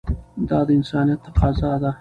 دا د انسانیت تقاضا ده.